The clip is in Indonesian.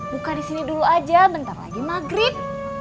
buka disini dulu aja bentar lagi maghrib